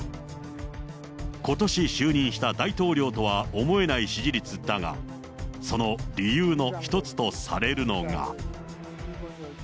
ことし就任した大統領とは思えない支持率だが、その理由の一つとされるのが。